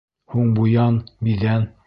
Һуң буян, биҙән!